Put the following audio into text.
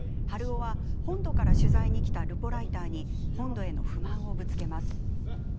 ハルオは本土から取材に来たルポライターに本土への不満をぶつけます。